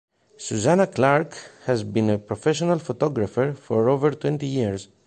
Suzanna Clarke has been a professional photographer for over twenty years.